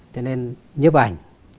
cho nên nhếp ảnh